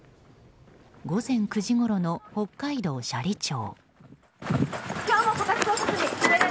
午前９時ごろの北海道斜里町。